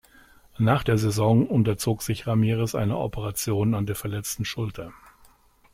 Nach der Saison unterzog sich Ramírez einer Operation an der verletzten Schulter.